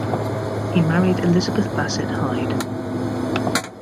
He married Elizabeth Bassett Hyde.